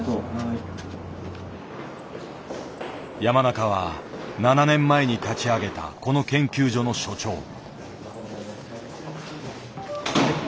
山中は７年前に立ち上げたこの研究所の所長。